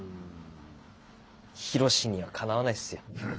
ヒロシにはかなわないっすよ。